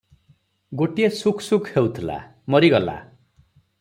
ଗୋଟିଏ ଶୁକ୍ ଶୁକ୍ ହେଉଥିଲା, ମରିଗଲା ।